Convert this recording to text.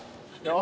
あ！